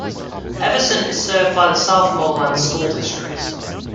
Everson is served by the Southmoreland School District.